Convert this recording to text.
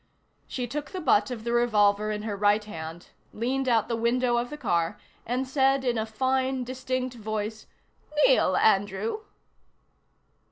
She took the butt of the revolver in her right hand, leaned out the window of the car, and said in a fine, distinct voice: "Kneel, Andrew."